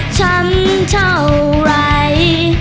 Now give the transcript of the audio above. ฉันทำอะไร